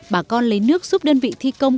bà con lấy nước giúp đơn vị thi công